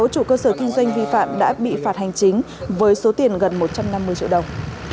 sáu chủ cơ sở kinh doanh vi phạm đã bị phạt hành chính với số tiền gần một trăm năm mươi triệu đồng